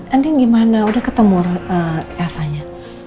andin gimana udah ketemu elsa nya